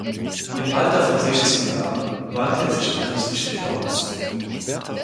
Im Alter von sechzehn Jahren wandte er sich dem christlichen Glauben zu.